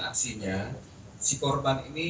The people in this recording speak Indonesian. aksinya si korban ini